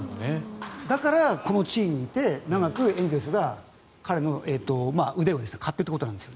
だからこの地位にいて長くエンゼルスが彼の腕を買ってるということなんです。